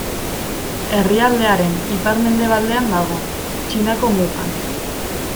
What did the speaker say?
Herrialdearen ipar-mendebaldean dago, Txinako mugan.